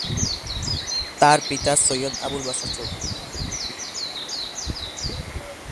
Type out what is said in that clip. তার পিতা সৈয়দ আবুল বাশার চৌধুরী।